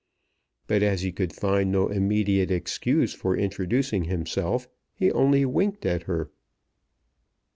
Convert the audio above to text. But as he could find no immediate excuse for introducing himself, he only winked at her.